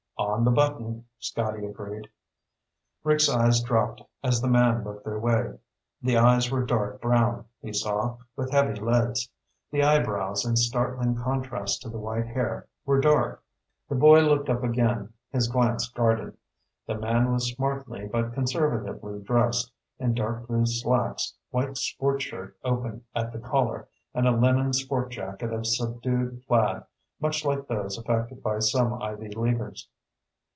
"On the button," Scotty agreed. Rick's eyes dropped as the man looked their way. The eyes were dark brown, he saw, with heavy lids. The eyebrows, in startling contrast to the white hair, were dark. The boy looked up again, his glance guarded. The man was smartly, but conservatively dressed, in dark blue slacks, white sport shirt open at the collar, and a linen sport jacket of subdued plaid, much like those affected by some Ivy Leaguers.